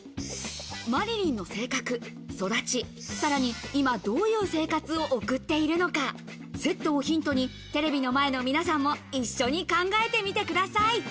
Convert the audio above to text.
麻理鈴の性格、育ち、さらに、今どういう生活を送っているのか、セットをヒントにテレビの前の皆さんも一緒に考えてみてください。